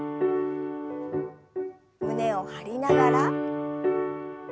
胸を張りながら。